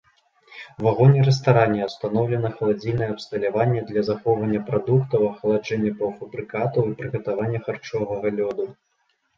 У вагоне-рэстаране ўстаноўлена халадзільнае абсталяванне для захоўвання прадуктаў, ахладжэння паўфабрыкатаў і прыгатавання харчовага лёду.